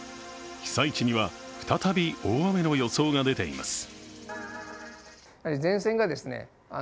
被災地には再び大雨の予想が出ています。